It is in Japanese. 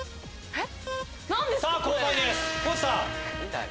えっ？